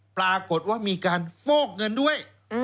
ปรากฏว่ามีการฟอกเงินด้วย